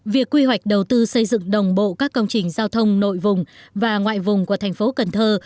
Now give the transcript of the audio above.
việc quy hoạch đầu tư xây dựng đồng bộ các công trình giao thông nội vùng và ngoại vùng của thành phố cần thơ